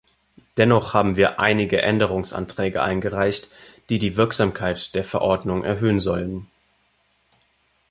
Dennoch haben wir einige Änderungsanträge eingereicht, die die Wirksamkeit der Verordnung erhöhen sollen.